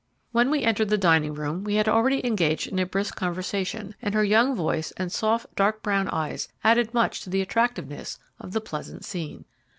When we entered the dining room we had already engaged in a brisk conversation, and her young voice and soft, dark brown eyes added much to the attractiveness of the pleasant scene.